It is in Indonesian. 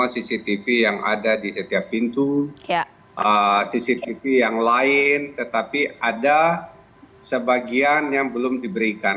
cctv yang ada di setiap pintu cctv yang lain tetapi ada sebagian yang belum diberikan